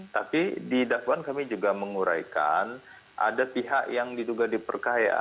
tapi di dakwaan kami juga menguraikan ada pihak yang diduga diperkaya